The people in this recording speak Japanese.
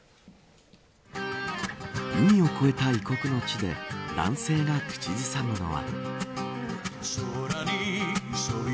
海を越えた異国の地で男性が口ずさむのは。